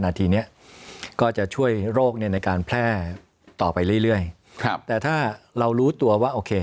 หน้าทีนี้ก็จะช่วยโลกในการแพร่ต่อไปเรื่อยแต่ถ้าเรารู้ตัวว่าโอเค